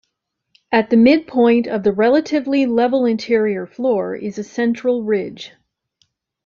At the midpoint of the relatively level interior floor is a central ridge.